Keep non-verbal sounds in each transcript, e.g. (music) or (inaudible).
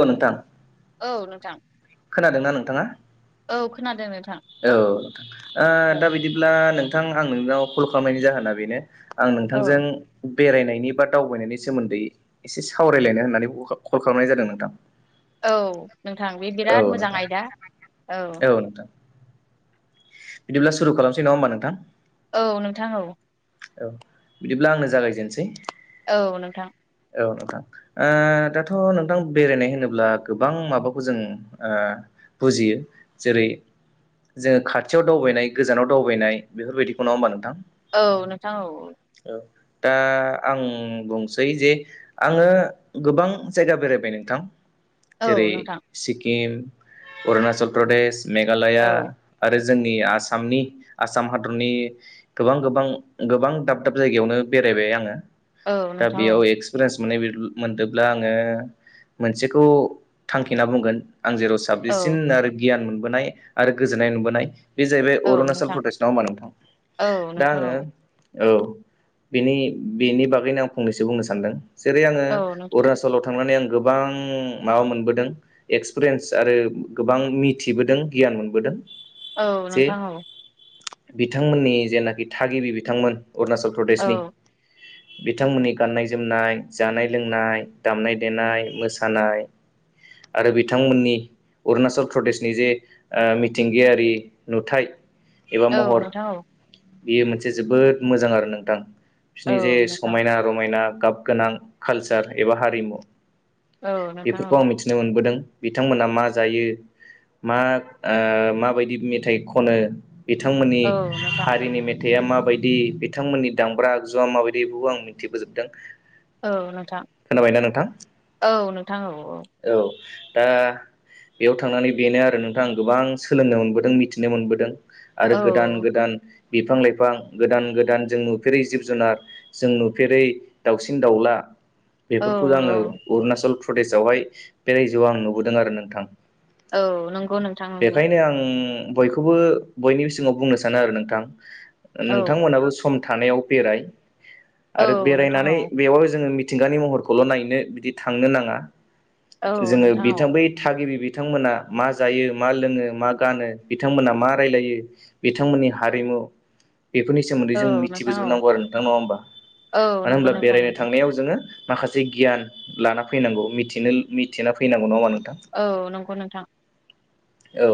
औ नोंथां औ नोंथां खोनादोंना नोंथाङा? औ खोनादों नोंथां औ ओ दा औ बिदिब्ला नों थां आं नोंनाव क'ल खालामनायनि जाहोना बेनो आं नोंथांजों औ बेरायनायनि बा दावबायनायनि सोमोन्दै एसे सावरायलायनो होननानै क' क'ल खालामनाय जादों नोंथां। औ नोंथां बे औ बिराद मोजां नोंथां आयदा औ। बिदिब्ला सुरु खालामसै नङा होमबा नोंथां? औ नोंथां औ। औ बिदिब्ला आंनो जागायजेनसै। औ नोंथां। औ नोंथां ओ दाथ' नोंथां बेरायनाय होनोब्ला गोबां माबाखौ जों ओ बुजियो जेरै जोङो खाथियाव दावबायनाय गोजानाव दावबायनाय बेफोरबायदिखौ नङा होमबा नोंथ औ नोंथां औ। दा आं बुंसै जे आङो गोबां जायगा बेरायबाय नोंथां औ जेरै नोंथां सिक्किम ‌ अरुणचल प्रदेश, मेघालया औ आरो जोंनि आसामनि आसाम हादरनि गोबां गोबां गोबां दाब दाब जायगायावनो बेर रायबाय आङो औ दा नोंथां औ बेयाव एक्स मोननाय बादि मोनदोब्ला आङो मोनसेखौ थांखिना बुंगोन आं जेराव साबेसिन औ आरो गियान मोनबोनाय आरो गोजोननाय मोनबोनाय बे जाहैबाय औ अरुणाचल नोंथां प्रदेश नंङा होमबा नोंथां औ दा नोंथां आङो औ औ बेनि बेनि बागैनो आं फंनैसो बुंनो सानदों जेरै आङो औ नोंथां अरुणाचलाव थांनानै आं गोबां माबा मोनबोदों एक्सपिरियेन्स आरो गोबां मिथिबोदों गियान मोनबोदों औ जे नोंथां औ। बिथांमोननि जेनाखि थागिबि बिथांमोन अरुणाचल प्रदेशनि औ बिथांमोननि गाननाय जोमनाय, जानाय लोंनाय, दामनाय देनाय, मोसानाय आरो बिथांमोननि अरुणाचल प्रदेशनि जे मिथिंगायारि नुथाइ औ नोंथां औ। बियो मोनसे जोबोद मोजां आरो नोंथां बिसोरनि जे समायना रमायना गाब गोनां कालचार एबा हारिमु नोंथां बेफोरखौ औ आं मिथिनो मोनबोदों बिथांमोना मा जायो मा ओ माबायदि मेथाइ खनो बिथांमोननि औ नोंथां हारिनि मेथ थाइया माबायदि बिथांमोननि दामब्रा आगजुआ माबायदि बेखौ आं मिन्थिबोजोबदों। औ नोंथां खोनाबायना नोंथां औ नोंथां औ नोंथां औ नोंथां औ औ। दा बेयाव थांनानै बेनो आरो नोंथां आं गोबां सोलोंनो मोनबोदों मिथिनो मोनबोदों। आरो औ गोदान गोदान बिफां लाइफां गोदान गोदान जों नुफेरै जिब जुनार जों नुफेरै दाउसिन दावउला औ बेफोरखौ औ आङो अरूणाचल प्रदेशआवहाय बे रायजोआव आं नुबोदों आरो नोंथां। औ नंगौ नोंथां नंगौ बेखायनो आं। बयखौबो बयनि सिङाव बुंनो सानो आरो नोंथां औ नोंथांमोनाबो सम। थानायाव बेराय औ नोंथां औ। बो जोङो मिथिंगानि महरखौल' नायनो बिदि थांनो नाङा औ जोङो नोंथां औ बिथां बै थागिबि बिथां। बिथांमोना मा जायो मा लोङो मा गानो बिथांमोना मा रायलायो बिथांमोननि हारिमु द बेफोरनि सोमोन्दै औ जों नोंथां औ मिथिबोजोबनांगौ आरो नोंथां नङा होमबा औ मानो नंगौ होनोमब्ला नोंथां बेरायनो नंगौ थांनायाव जोङो माखासे गियान लाना फैनांगौ मिथिनो मिथिना फैनांगौ नङा। नोंथां औ नंगौ नोंथां। औ।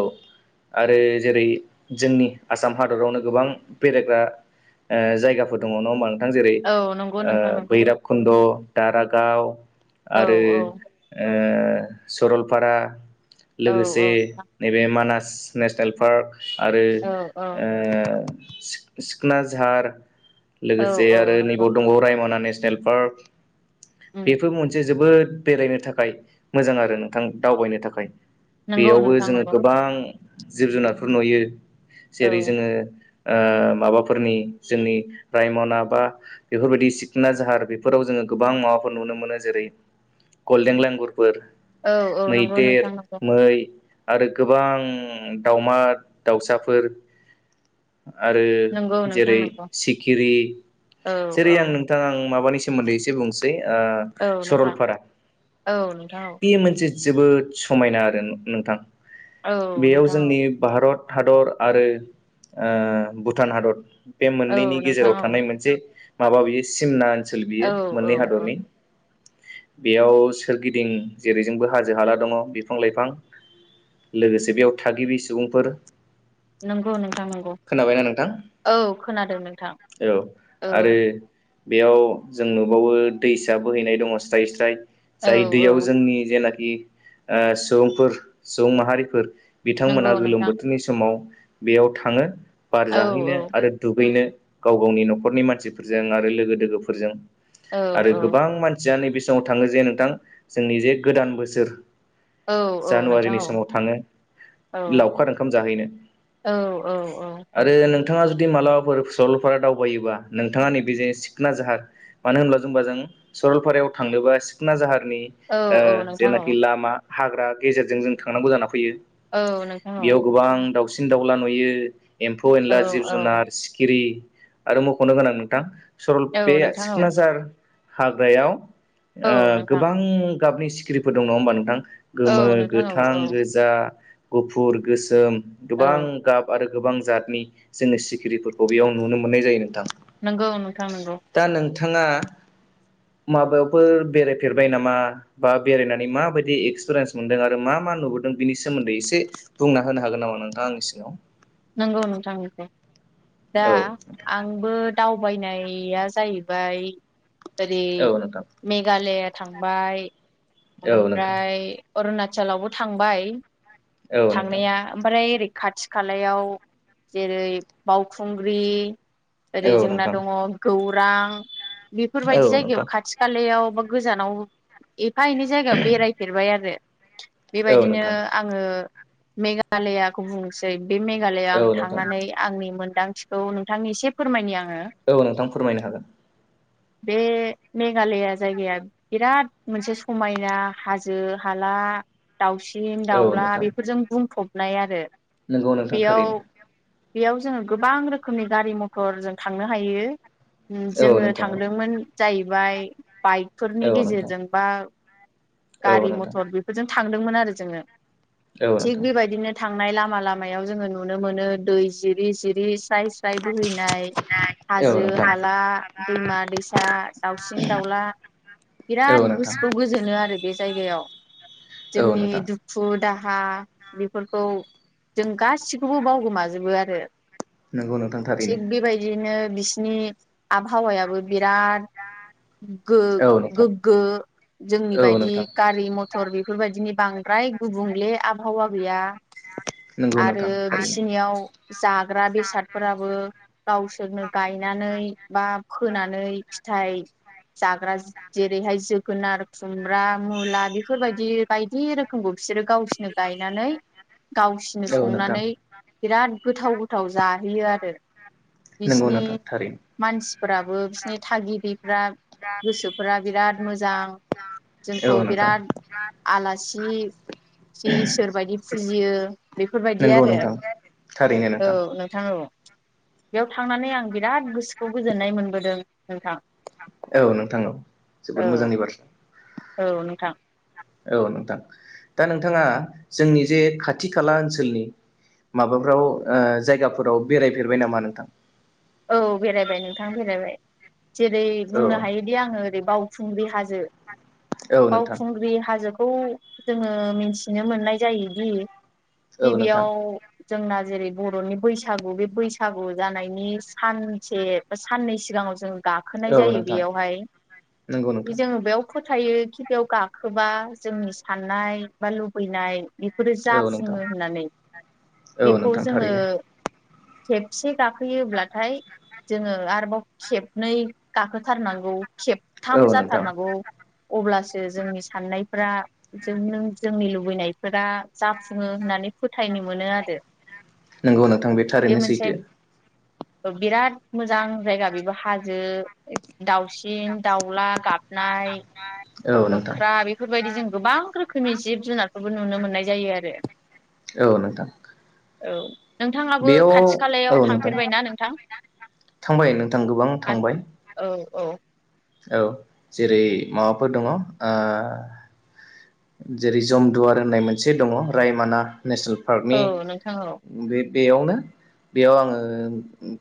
आरो जेरै जोंनि आसाम हादरावनो गोबां बेरायग्रा। ओ जायगाफोर दङ नङा होमबा? नोंथां जेरै औ नंगौ नोंथां नंगौ बैराबकुन्द' दारागाव। औ आरो औ ओ सरलपारा औ लोगोसे औ नैबे मानास नेसनेल पार्क आरो औ औ ओ सिख सिखनाझार औ लोगोसे आरो औ नंगौ नैबाव दंबावो रायमना नेस नेल पार्क उम बेफोर मोनसे जोबोद बेरायनो थाखाय मोजां आरो नोंथां दावबायनो थाखाय। नोंगौ बेयावबो नोंथां जोङो नोंगौ। गोबां जिब जुनारफोर नुयो औ जेरै जोङो ओ माबाफोरनि जोंनि रायमना बा बेफोरबायदि सिखना जाहार बेफोराव जोङो गोबां माबा। नुनो मोनो जेरै गलडेन लेंगुरफोर औ औ नंगौ नोंथां मैदेर नंगौ मै आरो गोबां दावमा दाउसाफोर आरो नंगौ नोंथां जेरै नंगौ सिखिरि औ जेरै औ आं नोंथाङा आं माबानि सोमोन्दै एसे बुंसै औ नोंथां सरलपारा औ नोंथां औ बे मोनसे जोबोद समायना आरो नोंथां औ बेयाव नोंथां औ जोंनि भारत भारत हादर आरो ओ भुटान हादर बे मोननैनि औ नोंथां गेजेराव औ थानाय मोनसे माबा बियो सिमना ओनसोल औ बियो औ मोननै औ हादरनि बेयाव सोरगिदिं जेरैजोंबो हाजो हाला दङ बिफां-लाइफां लोगोसे बेयाव थागिबि सुबुंफोर नंगौ नोंथां नंगौ खोनाबायना नोंथां औ खोनादों नोंथां। औ औ आरो बेयाव जों नुबावो दैसा बोहैनाय दङ स्राय स्राय औ जाय दैयाव औ जोंनि जेनाखि ओ सुबुंफोर सुबुं माहारिफोर नंगौ बिथांमोना गोलोम नोंथां बोथोरनि समाव बेयाव थाङो बार औ जाहैनो आरो दुगैनो गाव गावनि न'खरनि मानसिफोरजों आरो लोगो दोगोफोरजों औ आरो औ गोबां मानसिया नैबे (unintelligible) थाङो जे नोंथां जोंनि जे गोदान बोसोर औ औ नोंथां जानुवारिनि औ थाङो औ लावखार ओंखाम जाहैनो औ औ औ आरो नोंथाङा जुदि मालाबाफोर सरलफारा दावबायोबा नोंथाङा नैबे जे सिखना जाहार मानो होनोब्ला जोंना जों सरलपारायाव थांनोबा सिखना जाहार औ औ नोंथां जेनाखि औ लामा हाग्रा गेजेरजों जों थांनांगौ जाना फैयो। औ नोंथां औ बेयाव गोबां दाउसिन दाउला नुयो। एम्फौ औ एनला जिब औ जुनार सिखिरि आरो मुंख'नो गोनां नोंथां औ सरलपारा बे नोंथां औ सिकनाझार हाग्रायाव औ नोंथां गोबां गाबनि सिखिरिफोर दं नङा होमबा नोंथां औ गोमो नोंथां औ गोथां औ गोजा गुफुर गोसोम गोबां औ गाब आरो गोबां जातनि जोङो सिखिरिफोरखौ बेयाव नुनो मोननाय जायो नोंथां नंगौ नोंथां नंगौ दा नोंथाङा माबायावफोर बेरायफेरबाय नामा बा बेरायनानै माबायदि एक्सपिरियेन्स मोनदों आरो मा मा नुबोदों बिनि सोमोन्दै एसे बुंना होनो हागोन नामा नोंथाङां आंनि सिङाव। नंगौ नोंथां नोंगौ औ दा औ आंबो दावबायनाया जाहैबाय ओरै नोंथां मेघालय थांबाय औ नोंथां ओमफ्राय अरुणाचलावबो थांबाय औ नोंथां थांनाया ओमफ्राय ओरै खाथि खाला जेरै बावखुंग्रि ओरै औ जोंना नोंथां दङ गौ रां बेफोरबायदि औ जायगायाव नोंथां खाथि खालायाव मा गोजानाव एफा एनै जायगायाव बेरायफेरबाय आरो औ बेबायदिनो नोंथां आङो मेघालयाखौ बुंनोसै बे मेघालयआव आं औ नोंथां थांनानै आंनि मोन्दांथिखौ नोंथांनि एसे फोरमायनि आं। औ नोंथां फोरमायनो हागोन। बे मेघालया जायगाया बिराद मोनसे समायना हाजो हाला दाउसिन औ दाउला नोंथां बेफोरजों बुंफबनाय आरो नंगौ नोंथां बेयाव थारैनो बेयाव जोङो गोबां रोखोमनि गारि मथर जों थांनो हायो औ जोङो नोंथां थांदोंमोन जाहैबाय बाइकफोरनि औ नोंथां गेजेरजों बा औ गारि नोंथां मथर बेफोरजों थांदोंमोन आरो जोङो औ थिग नोंथां बेबायदिनो थांनाय लामा लामायाव जोङो नुनो मोनो दै जिरि जिरि स्राय स्राय बोहैनाय औ नोंथां औ हाजो नोंथां हाला दैमा दैसा दाउसिन दाउला बिराद गोसोखौ गोजोनो आरो बे जायगायाव औ जोंनि नोंथां दुखु दाहा बेफोरखौ जों गासिखौबो बावगोमाजोबो आरो नंगौ नोंथां थारैनो थिग बेबायदिनो बि बिनि आबहावायाबो बिराद औ नोंथां गोग्गो जोंनि औ बायदि नोंथां गारि मथर बेफोरबायदिनि बां फ्राय गुबुंले आबहावा गैया (inaudible) आरो थारैनो। बिसिनियाव जाग्रा बेसादफोराबो गावसोरनो गायनानै बा फोनानै फिथाइ जाग्रा जेरैहाय जोगोनार खुमब्रा मुला बेफोरबायदि बायदि रोखोमखौ बिसोरो गावसोरनो गायनानै गावसिनो औ नोंथां संनानै बिराद गोथाव गोथाव जाहैयो आरो नंगौ बिसिनि नोंथां थारैनो। मानसिफोराबो बिसिनि थागिफ्रा गोसोफोरा बिराद मोजां औ जोंखौ नोंथां बिराद आलासि ए इसोर बायदि फुजियो बेफोरबायदि नंगौ आरो नोंथां थारैनो औ नोंथां नोंथाङो औ बेयाव थांनानै आं बिराद गोसोखौ गोजोननाय मोनबोदों नोंथां औ नोंथां औ औ जोबोद मोजांनि बाथ्रा औ नोंथां औ नोंथां दा नोंथाङा जोंनि जे खाथि खाला ओनसोलनि माबाफ्राव ओ जायगाफोराव बेरायफेरबाय नामा नोंथां औ बेरायबाय नोंथां बेरायबाय जेरै औ बुंनो हायोदि आङो ओरै बावखुंग्रि हाजो औ नोंथां बावखुंग्रि हाजो खौ जोङो मिन्थिनो मोननाय जायोदि औ नोंथां गिबियाव जोंना जेरै बर'नि बैसागु बे बैसागु जानायनि सानसे बा साननै सिगाङाव जों गाखोनाय औ जायो नोंथां बेयावहाय नंगौ नोंथां जोङो बेयाव फोथायो खि बेयाव गाखोबा जोंनि साननाय बा लुबैनाय बे बेफोरो औ जाफुङो नोंथां होननानै औ बेखौ नोंथां जोङो थारैनो खेबसे गाखोयोब्ला ओमफ्राय जोङो आरोबाव खेबनै गाखोथारनांगौ खेबथाम औ नोंथां जाथारनांगौ अब्लासो जोंनि साननाय फ्रा जों नों जोंनि लुबैनायफोरा जाफुङो होननानै फोथायनो मोनो आरो नंगौ नोंथां बे थारैनो सैथो बिराद मोजां जायगा बेबो हाजो दाउसिन दाउला गाबनाय औ नोंथां मोख्रा बेफोरबायदि जों गोबां रोखोमनि जिब जिब जुनारखौबो नुनो मोननाय जायो आरो औ नोंथां औ नोंथाङाबो बेयाव खाथि औ खालायाव नोंथां थांफेरबायना नों थांबाय नोंथां गोबां थांबाय औ औ औ जेरै माबाफोर दङ ओ जेरै जमदुवार होननाय मोनसे दङ रायमाना नेसनेल पार्कनि औ नोंथां औ बे बेयावनो बेयाव आङो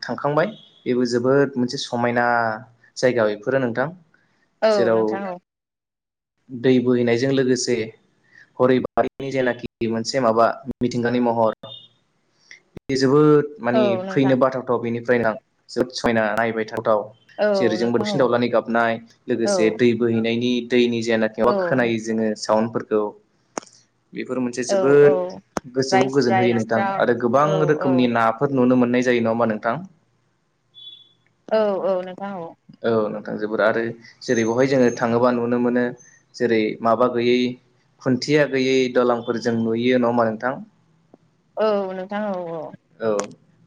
थांखांबाय बेबो जोबोद मोनसे समायना जायगा बेफोर फोरो नोंथां औ नोंथां औ। दै बोहैनायजों लोगोसे हरिबारिनि जेनाखि मोनसे माबा मिथिंगानि महर बे जोबोद औ माने फैनो नोंथां बाथावथाव बेनिफ्रायनो आं जोबोद समायना नायबाय थावथाव औ जेरैजोंबो नोंथां दसे सि औ दावलानानै गाबनाय औ लोगोसे दै बोहैनायनि दैनि जेनाखि माबा औ खोनायो जोङो। साउन्डफोरखौ बेफोर मोनसे औ जोबोद औ गोसोखौ स्राय गोजोन होयो स्राय नोंथां स्राव आरो गोबां औ औ रोखोमनि नाफोर नुनो मोनो। मोननाय जायो नामा नोंथां? औ औ नोंथां औ। औ नोंथां जोबोर आरो जेरै बेवहाय जोङो थाङोबा नुनो मोनो जेरै माबा गैयै खुन्थिया गैयै दालांफोरजों नुयो नामा नोंथां? औ नोंथां औ औ। औ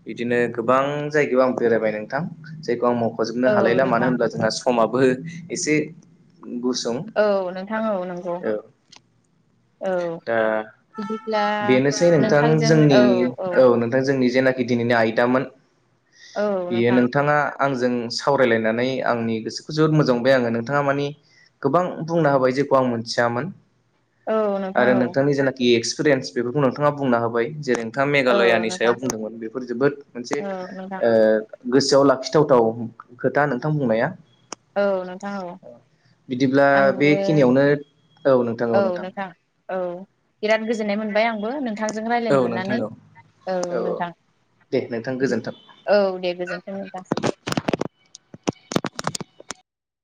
बिदिनो गोबां जायगायाव आं बेरायबाय नोंथां जायखौ आं मावखजोबनो औ हालायला मानो नोंथां होनब्ला जोंहा समाबो एसे गुसुं। औ नोंथां औ नंगौ औ। औ दा बिदिब्ला बेनोसै नोंथां नोंथांजों जोंनि औ औ नोंथां जोंनि जेनाखि दिनैनि आयदामोन औ बियो नोंथां नोंथाङा आंजों सावरायलायनानै आंनि गोसोखौ जोबोद मोजां मोनबाय आङो नोंथाङा मानि गोबां बुंना होबाय जेखौ आं मोनथियामोन। औ नोंथां आरो औ नोंथांनि जेनाखि एक्सपिरियेन्स बेफोरखौ नोंथाङा बुंनो होबाय जेरै नोंथां औ मेघालयानि सायाव नोंथां बुंदोंमोन बेफोर जोबोद मोनसे औ नोंथां ओ गोसोआव लाखिथावथाव खोथा नोंथां बुंनाया। औ नोंथां औ। बिदिब्ला आंबो बेखिनियावनो औ नोंथां औ नोंथां। औ बिराद गोजोननाय मोनबाय आंबो नोंथांजों औ रायज्लायनो नोंथां मोननानै औ औ नोंथां। दे नोंथां गोजोन्थों। औ दे गोजोनथों नोंथां